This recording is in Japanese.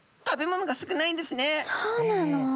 そうなの？